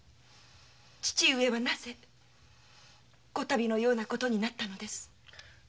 父上はなぜこたびのようなことになったのです？